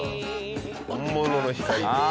「本物の光」。